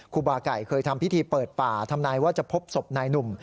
ครูบาไก่เคยทำพิธีเปิดป่าทำนายว่าจะพบศพนายหนุ่ม